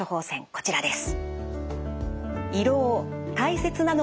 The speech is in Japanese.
こちらです。